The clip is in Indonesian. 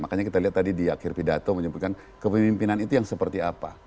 makanya kita lihat tadi di akhir pidato menyebutkan kepemimpinan itu yang seperti apa